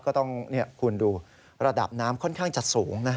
ก็ต้องคุณดูระดับน้ำค่อนข้างจะสูงนะ